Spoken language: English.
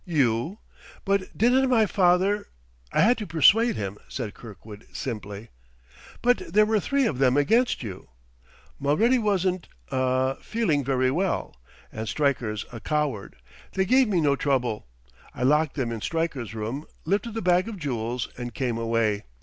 you!... But didn't my father ?" "I had to persuade him," said Kirkwood simply. "But there were three of them against you!" "Mulready wasn't ah feeling very well, and Stryker's a coward. They gave me no trouble. I locked them in Stryker's room, lifted the bag of jewels, and came away....